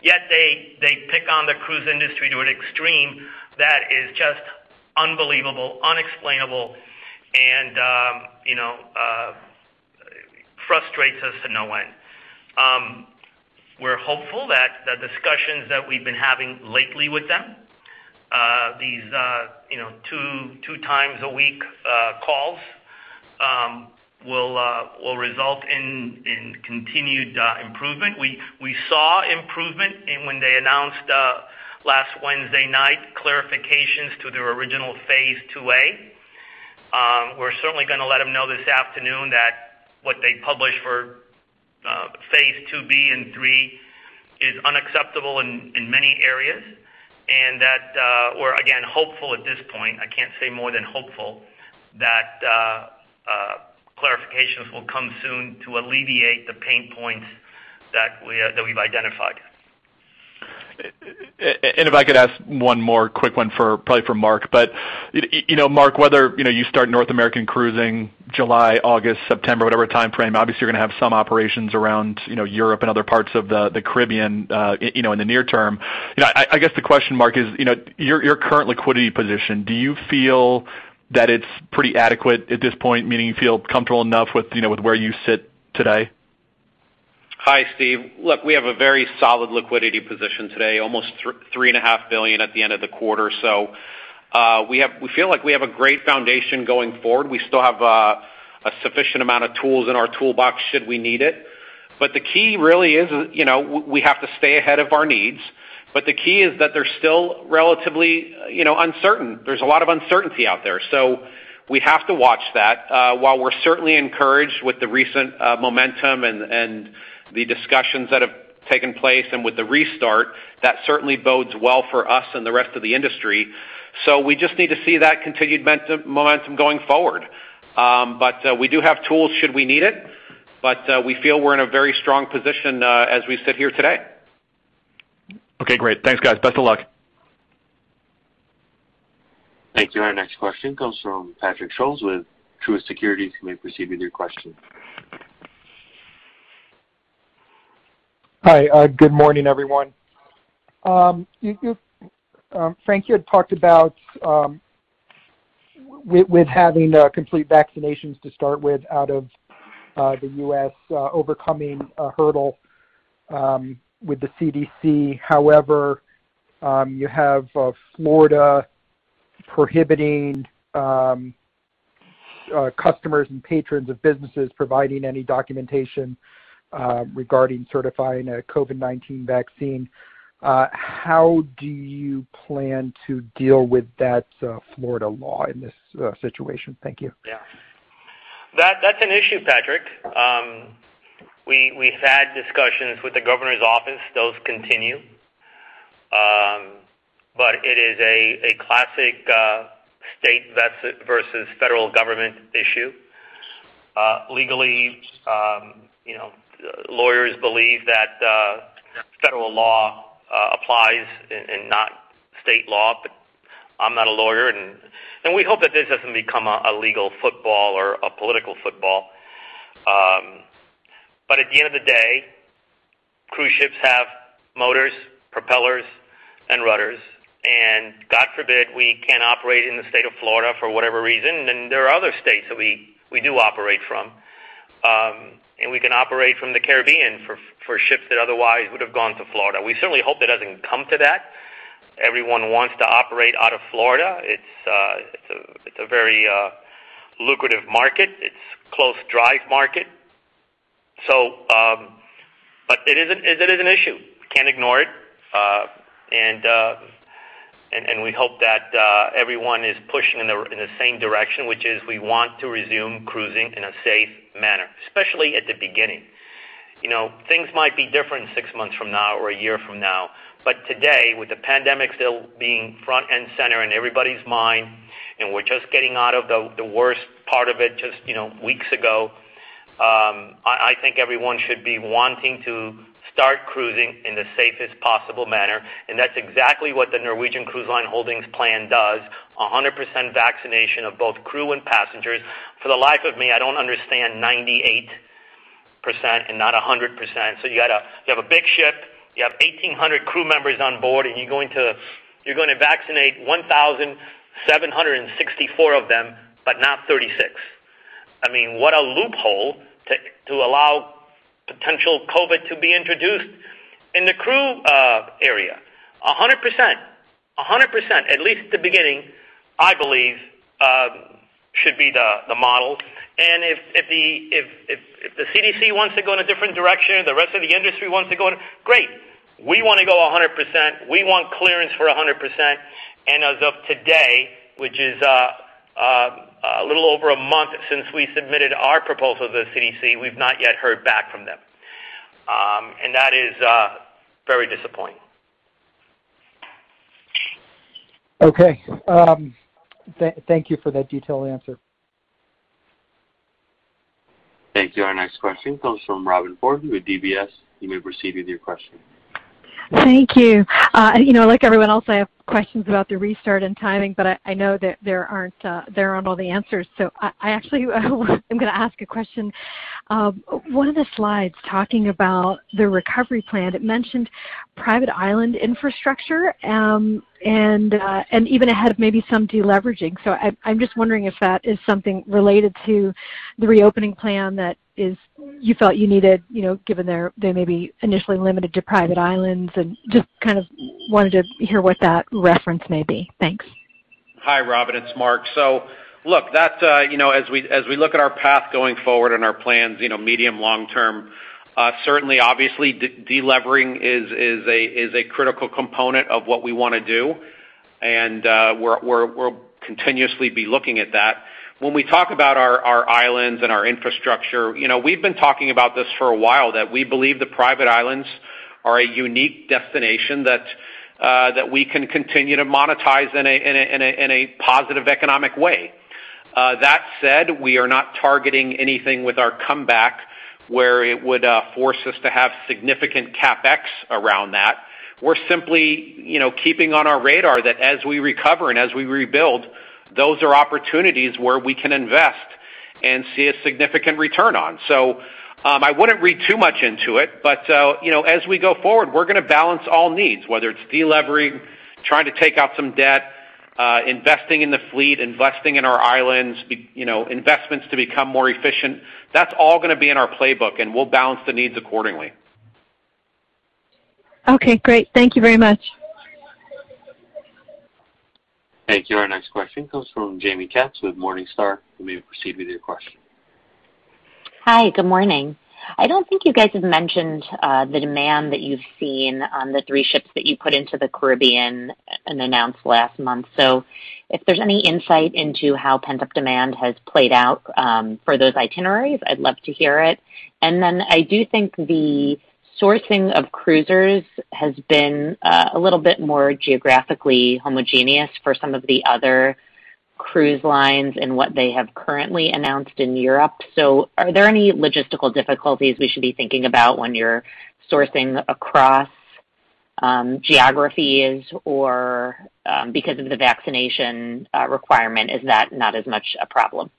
They pick on the cruise industry to an extreme that is just unbelievable, unexplainable, and frustrates us to no end. We're hopeful that the discussions that we've been having lately with them, these two-times-a-week calls, will result in continued improvement. We saw improvement when they announced last Wednesday night clarifications to their original phase II-A. We're certainly going to let them know this afternoon that what they published for phase II-B and II is unacceptable in many areas and that we're, again, hopeful at this point—can't say more than hopeful—that clarifications will come soon to alleviate the pain points that we've identified. If I could ask one more quick one, probably for Mark. Mark, whether you start North American cruising in July, August, September, or whatever timeframe, obviously, you're going to have some operations around Europe and other parts of the Caribbean in the near term. I guess the question, Mark, is your current liquidity position, do you feel that it's pretty adequate at this point, meaning you feel comfortable enough with where you sit today? Hi, Steve. Look, we have a very solid liquidity position today, almost $3.5 billion at the end of the quarter. We feel like we have a great foundation going forward. We still have a sufficient amount of tools in our toolbox should we need them. The key really is that we have to stay ahead of our needs. The key is that they're still relatively uncertain. There's a lot of uncertainty out there. We have to watch that. While we're certainly encouraged with the recent momentum and the discussions that have taken place and with the restart, that certainly bodes well for us and the rest of the industry. We just need to see that continued momentum going forward. We do have tools should we need them. We feel we're in a very strong position as we sit here today. Okay, great. Thanks, guys. Best of luck. Thank you. Our next question comes from Patrick Scholes with Truist Securities. You may proceed with your question. Hi, good morning, everyone. Frank, you had talked about with having complete vaccinations to start with out of the U.S. overcoming a hurdle with the CDC. You have Florida prohibiting customers and patrons of businesses providing any documentation regarding certifying a COVID-19 vaccine. How do you plan to deal with that Florida law in this situation? Thank you. That's an issue, Patrick. We've had discussions with the governor's office. Those continue. It is a classic state versus federal government issue. Legally, lawyers believe that federal law applies and not state law, but I'm not a lawyer, and we hope that this doesn't become a legal football or a political football. At the end of the day, cruise ships have motors, propellers, and rudders, and God forbid we can't operate in the state of Florida for whatever reason, then there are other states that we do operate from. We can operate from the Caribbean for ships that otherwise would have gone to Florida. We certainly hope it doesn't come to that. Everyone wants to operate out of Florida. It's a very lucrative market. It's a close-drive market. It is an issue. We can't ignore it. We hope that everyone is pushing in the same direction, which is that we want to resume cruising in a safe manner, especially at the beginning. Things might be different six months from now or a year from now, but today, with the pandemic still being front and center in everybody's mind and we're just getting out of the worst part of it just weeks ago, I think everyone should be wanting to start cruising in the safest possible manner, and that's exactly what the Norwegian Cruise Line Holdings plan does: 100% vaccination of both crew and passengers. For the life of me, I don't understand 98% and not 100% of it. You have a big ship, you have 1,800 crew members on board, and you're going to vaccinate 1,764 of them, but not 36. What a loophole to allow potential COVID to be introduced in the crew area. 100%, at least at the beginning, I believe, should be the model. If the CDC wants to go in a different direction, the rest of the industry wants to go in. Great. We want to go 100%. We want clearance for 100%, and as of today, which is a little over a month since we submitted our proposal to the CDC, we've not yet heard back from them. That is very disappointing. Okay. Thank you for that detailed answer. Thank you. Our next question comes from Robin Farley with UBS. You may proceed with your question. Thank you. Like everyone else, I have questions about the restart and timing, but I know that there aren't all the answers. I actually am going to ask a question. One of the slides talking about the recovery plan mentioned private island infrastructure, and even ahead of maybe some deleveraging. I'm just wondering if that is something related to the reopening plan that you felt you needed, given they may be initially limited to private islands, and I just kind of wanted to hear what that reference may be. Thanks. Hi, Robin. It's Mark. Look, as we look at our path going forward and our plans medium and long-term, certainly, obviously, deleveraging is a critical component of what we want to do. We'll continuously be looking at that. When we talk about our islands and our infrastructure, we've been talking about this for a while, that we believe the private islands are a unique destination that we can continue to monetize in a positive economic way. That said, we are not targeting anything with our comeback where it would force us to have significant CapEx around that. We're simply keeping on our radar that as we recover and as we rebuild, those are opportunities where we can invest and see a significant return. I wouldn't read too much into it, but as we go forward, we're going to balance all needs, whether it's de-leveraging, trying to take out some debt, investing in the fleet, investing in our islands, or investments to become more efficient. That's all going to be in our playbook. We'll balance the needs accordingly. Okay, great. Thank you very much. Thank you. Our next question comes from Jaime Katz with Morningstar. You may proceed with your question. Hi. Good morning. I don't think you guys have mentioned the demand that you've seen on the three ships that you put into the Caribbean and announced last month. If there's any insight into how pent-up demand has played out for those itineraries, I'd love to hear it. I do think the sourcing of cruisers has been a little bit more geographically homogeneous for some of the other cruise lines and what they have currently announced in Europe. Are there any logistical difficulties we should be thinking about when you're sourcing across geographies, or because of the vaccination requirement, is that not as much a problem?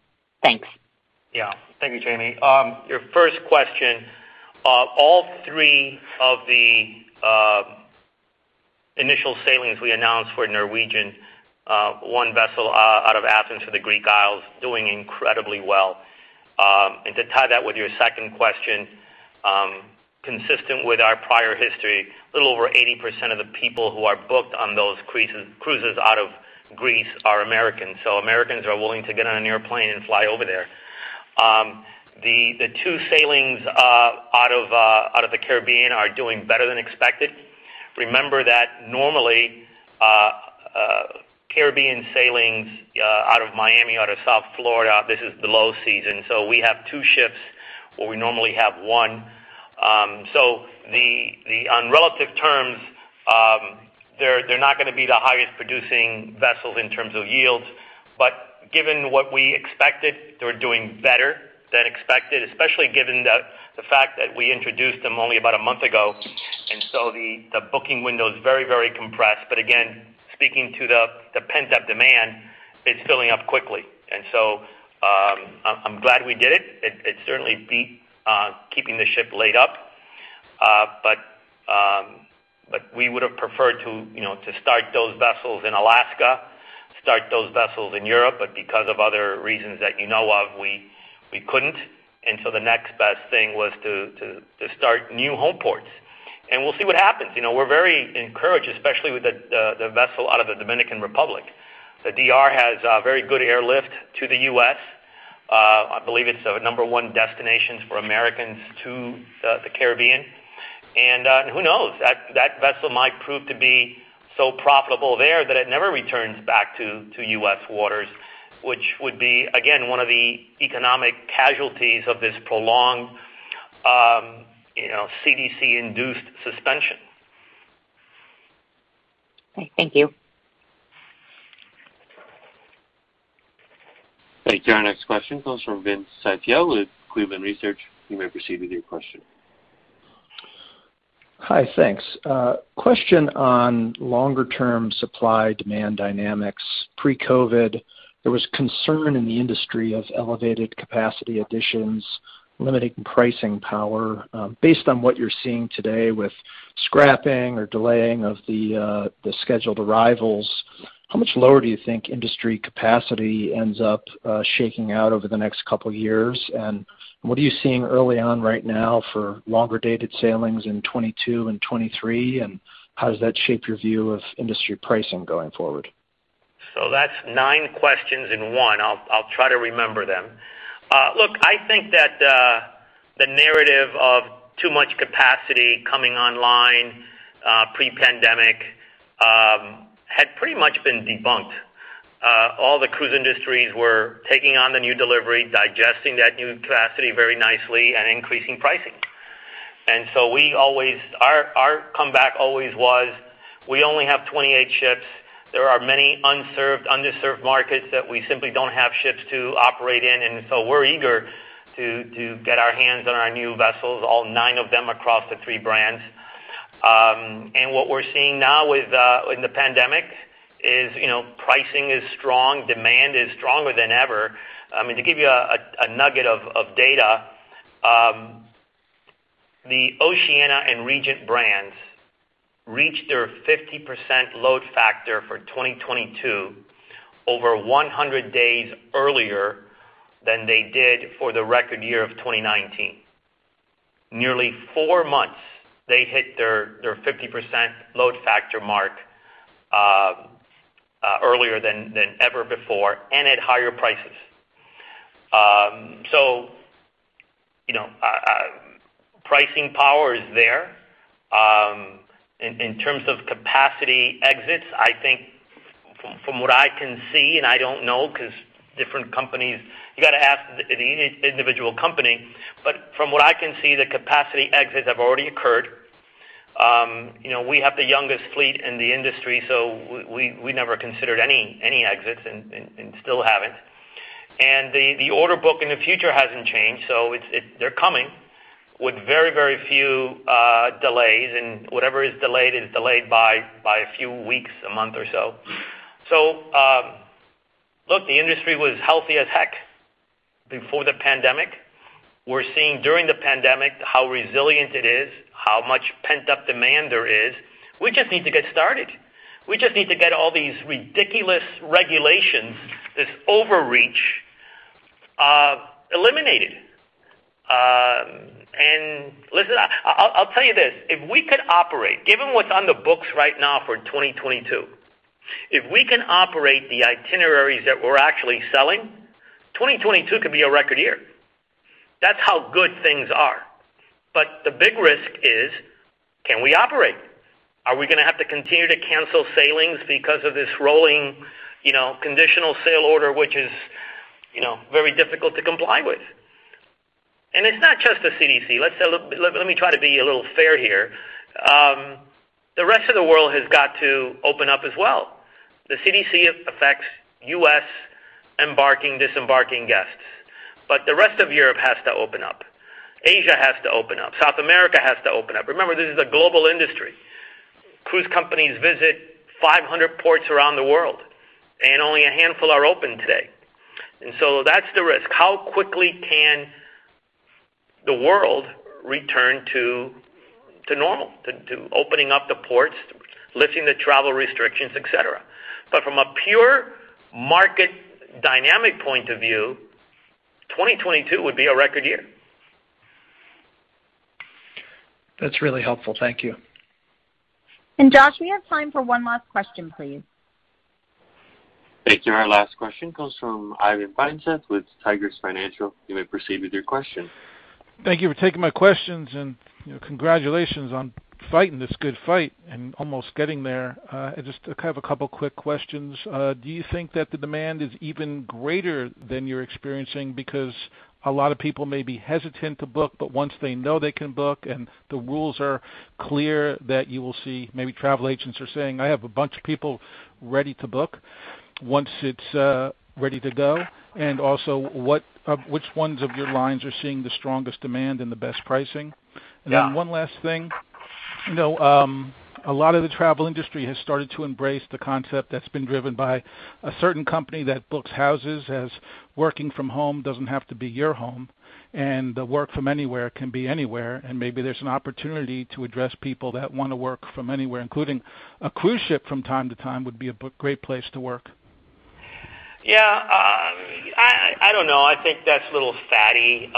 Thanks. Yeah. Thank you, Jaime. Your first question: all three of the initial sailings we announced for Norwegian, one vessel out of Athens to the Greek Isles, are doing incredibly well. And to tie that with your second question, consistent with our prior history, a little over 80% of the people who are booked on those cruises out of Greece are American. Americans are willing to get on an airplane and fly over there. The two sailings out of the Caribbean are doing better than expected. Remember that normally, Caribbean sailings out of Miami, out of South Florida, are in the low season. We have two ships where we normally have one. On relative terms, they're not going to be the highest-producing vessels in terms of yields, but given what we expected, they're doing better than expected, especially given the fact that we introduced them only about a month ago and the booking window is very compressed. Again, speaking to the pent-up demand, it's filling up quickly. I'm glad we did it. It certainly beat keeping the ship laid up. We would have preferred to start those vessels in Alaska and start those vessels in Europe. Because of other reasons that you know of, we couldn't. The next best thing was to start new home ports. We'll see what happens. We're very encouraged, especially with the vessel out of the Dominican Republic. The D.R. has very good airlift to the U.S. I believe it's the number one destination for Americans in the Caribbean. Who knows? That vessel might prove to be so profitable there that it never returns back to U.S. waters, which would be, again, one of the economic casualties of this prolonged CDC-induced suspension. Okay. Thank you. Thank you. Our next question comes from Vince Ciepiel with Cleveland Research. You may proceed with your question. Hi, thanks. A question on longer-term supply-demand dynamics. Pre-COVID, there was concern in the industry of elevated capacity additions limiting pricing power. Based on what you're seeing today with the scrapping or delaying of the scheduled arrivals, how much lower do you think industry capacity ends up shaking out over the next couple of years? What are you seeing early on right now for longer-dated sailings in 2022 and 2023, and how does that shape your view of industry pricing going forward? That's nine questions in one. I'll try to remember them. Look, I think that the narrative of too much capacity coming online pre-pandemic had pretty much been debunked. All the cruise industries were taking on the new delivery, digesting that new capacity very nicely, and increasing pricing. Our comeback always was, we only have 28 ships. There are many unserved, underserved markets that we simply don't have ships to operate in. We're eager to get our hands on our new vessels, all nine of them across the three brands. What we're seeing now in the pandemic is pricing is strong and demand is stronger than ever. To give you a nugget of data, the Oceania and Regent brands reached their 50% load factor for 2022 over 100 days earlier than they did for the record year of 2019. Nearly four months they hit their 50% load factor mark earlier than ever before and at higher prices. Pricing power is there. In terms of capacity exits, I think from what I can see, and I don't know because of different companies, you've got to ask the individual company, but from what I can see, the capacity exits have already occurred. We have the youngest fleet in the industry, we never considered any exits and still haven't. The order book in the future hasn't changed. They're coming with very few delays, and whatever is delayed is delayed by a few weeks, a month or so. Look, the industry was healthy as heck before the pandemic. We're seeing during the pandemic how resilient it is, how much pent-up demand there is. We just need to get started. We just need to get all these ridiculous regulations, this overreach, eliminated. Listen, I'll tell you this: if we could operate, given what's on the books right now for 2022, if we can operate the itineraries that we're actually selling, 2022 could be a record year. That's how good things are. The big risk is, can we operate? Are we going to have to continue to cancel sailings because of this rolling Conditional Sailing Order, which is very difficult to comply with? It's not just the CDC. Let me try to be a little fair here. The rest of the world has got to open up as well. The CDC affects U.S. embarking and disembarking guests, the rest of Europe has to open up. Asia has to open up. South America has to open up. Remember, this is a global industry. Cruise companies visit 500 ports around the world, and only a handful are open today. That's the risk. How quickly the world returned to normal, opening up the ports, lifting the travel restrictions, et cetera. From a pure market dynamic point of view, 2022 would be a record year. That's really helpful. Thank you. Josh, we have time for one last question, please. Thank you. Our last question comes from Ivan Feinseth with Tigress Financial. You may proceed with your question. Thank you for taking my questions, and congratulations on fighting this good fight and almost getting there. I just have a couple quick questions. Do you think that the demand is even greater than you're experiencing because a lot of people may be hesitant to book, but once they know they can book and the rules are clear, you will see maybe travel agents are saying, I have a bunch of people ready to book once it's ready to go? Also, which ones of your lines are seeing the strongest demand and the best pricing? Yeah. One last thing. A lot of the travel industry has started to embrace the concept that's been driven by a certain company that books houses, as working from home doesn't have to be your home, and work from anywhere can be anywhere, and maybe there's an opportunity to address people that want to work from anywhere, including a cruise ship, which from time to time would be a great place to work. Yeah. I don't know. I think that's a little fatty.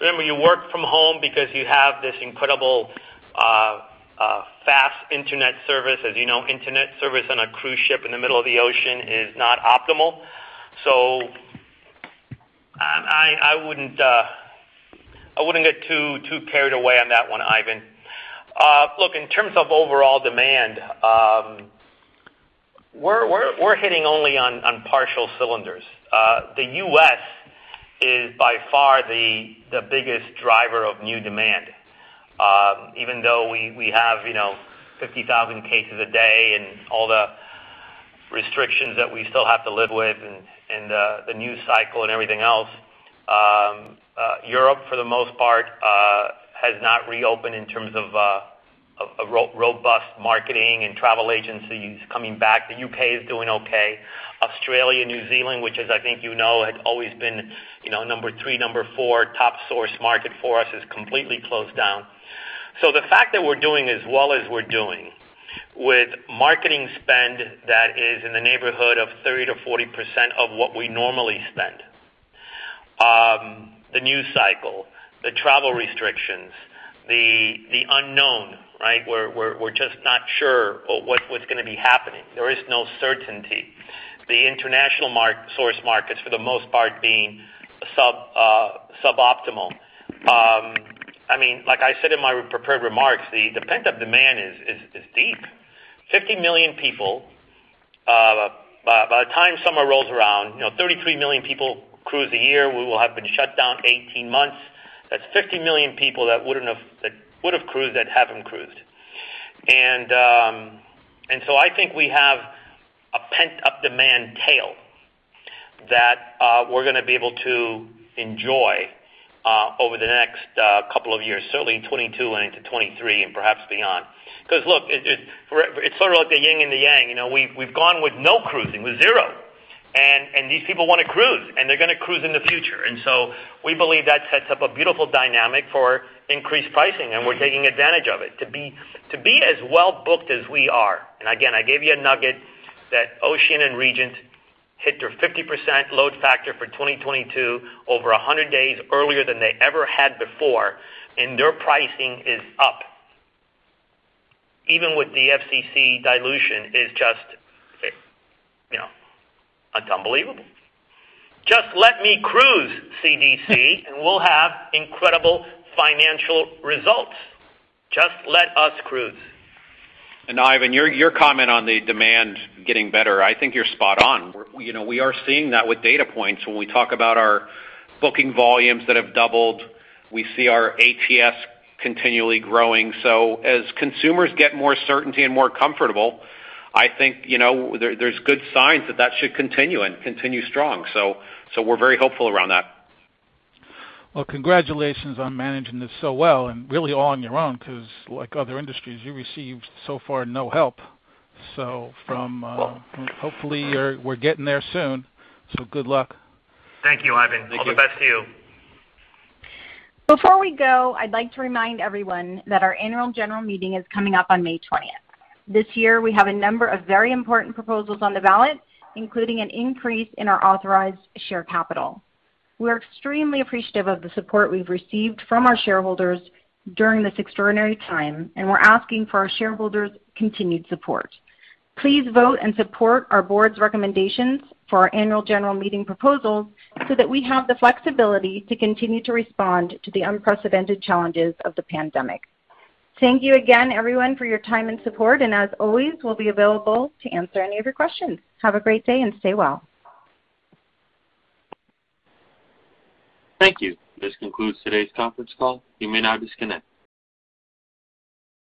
Remember, you work from home because you have this incredible fast internet service. As you know, internet service on a cruise ship in the middle of the ocean is not optimal. I wouldn't get too carried away on that one, Ivan. Look, in terms of overall demand, we're hitting only on partial cylinders. The U.S. is by far the biggest driver of new demand. Even though we have 50,000 cases a day and all the restrictions that we still have to live with and the news cycle and everything else. Europe, for the most part, has not reopened in terms of robust marketing and travel agencies coming back. The U.K. is doing okay. Australia and New Zealand, which, as I think you know, have always been the number three and number four top source markets for us, are completely closed down. The fact that we're doing as well as we're doing with marketing spend that is in the neighborhood of 30%-40% of what we normally spend. The news cycle, the travel restrictions, the unknown, right? We're just not sure what's going to be happening. There is no certainty. The international source markets, for the most part, are suboptimal. Like I said in my prepared remarks, the pent-up demand is deep. 50 million people, by the time summer rolls around, 33 million people cruise a year, we will have been shut down 18 months. That's 50 million people that would've cruised that haven't cruised. I think we have a pent-up demand tail that we're going to be able to enjoy over the next couple of years, certainly 2022 and into 2023 and perhaps beyond. Look, it's sort of like the yin and the yang. We've gone with no cruising, with zero. These people want to cruise, and they're going to cruise in the future. We believe that sets up a beautiful dynamic for increased pricing, and we're taking advantage of it. To be as well-booked as we are, again, I gave you a nugget that Oceania and Regent hit their 50% load factor for 2022 over 100 days earlier than they ever had before, and their pricing is up. Even with the FCC dilution is just unbelievable. Just let me cruise, CDC, and we'll have incredible financial results. Just let us cruise. Ivan, about your comment on the demand getting better, I think you're spot on. We are seeing that with data points. When we talk about our booking volumes that have doubled, we see our ATS continually growing. As consumers get more certain and more comfortable, I think there are good signs that that should continue and continue strong. We're very hopeful around that. Well, congratulations on managing this so well and really all on your own because, like other industries, you received so far no help. Hopefully, we're getting there soon. Good luck. Thank you, Ivan. Thank you. All the best to you. Before we go, I'd like to remind everyone that our annual general meeting is coming up on May 20th. This year, we have a number of very important proposals on the ballot, including an increase in our authorized share capital. We're extremely appreciative of the support we've received from our shareholders during this extraordinary time, and we're asking for our shareholders' continued support. Please vote and support our board's recommendations for our annual general meeting proposals so that we have the flexibility to continue to respond to the unprecedented challenges of the pandemic. Thank you again, everyone, for your time and support, and as always, we'll be available to answer any of your questions. Have a great day and stay well. Thank you. This concludes today's conference call. You may now disconnect.